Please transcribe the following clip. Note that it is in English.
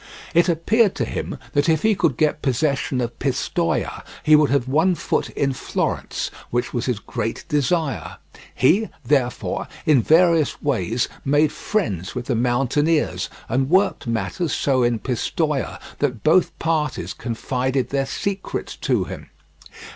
It appeared to him that if he could get possession of Pistoia, he would have one foot in Florence, which was his great desire. He, therefore, in various ways made friends with the mountaineers, and worked matters so in Pistoia that both parties confided their secrets to him.